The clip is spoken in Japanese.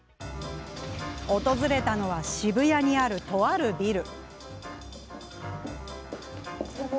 訪れたのは渋谷にある、とあるビル。